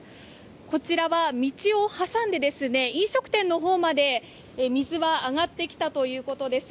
こちらは道を挟んで飲食店のほうまで水は上がってきたということです。